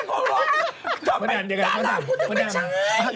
ตอนแหน่งพูดจริงไม่ใช่